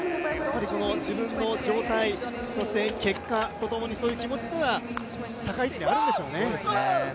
自分の状態そして、結果とともにそういう気持ちというのが高い位置にあるんでしょうね。